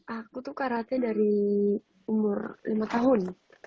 aku tuh karate dari umur lima tahun